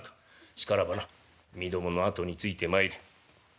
しからばなみどものあとについてまいれ。